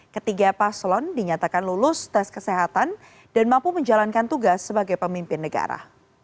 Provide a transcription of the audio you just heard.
ketiga paslon dinyatakan lulus tes kesehatan dan mampu menjalankan tugas sebagai pemimpin negara